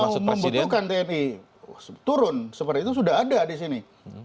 kalau membutuhkan tni turun seperti itu sudah ada di sini